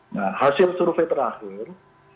nah hasil survei terakhir